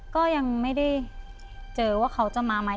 ก็ยังไม่ได้เจอว่าเขาจะมาไหม